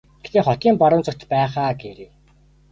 Гэхдээ хотын баруун зүгт байх аа гээрэй.